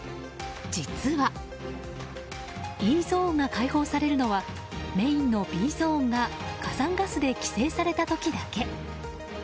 実は、Ｅゾーンが開放されるのはメインのＢゾーンが火山ガスで規制された時だけ。